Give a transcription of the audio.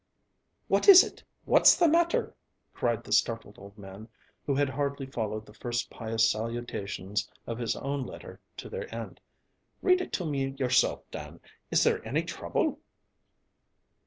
"What is it? What's the matter?" cried the startled old man, who had hardly followed the first pious salutations of his own letter to their end. "Read it to me yourself, Dan; is there any trouble?"